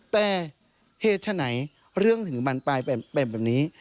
แต่เหตุฉะไหนเรื่องถึงบรรปลายเป็นแบบนี้